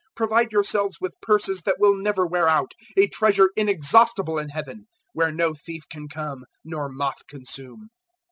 Provide yourselves with purses that will never wear out, a treasure inexhaustible in Heaven, where no thief can come nor moth consume.